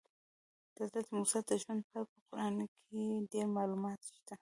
د حضرت موسی د ژوند په اړه په قرآن کې ډېر معلومات شته.